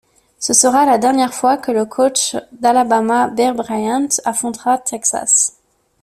Ce sera la dernière fois que le coach d'Alabama Bear Byant affrontera Texas.